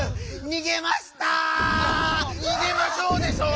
「にげましょう」でしょう？